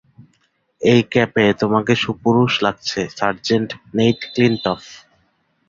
এই ক্যাপে তোমাকে সুপুরুষ লাগছে, সার্জেন্ট নেইট ক্লিনটফ।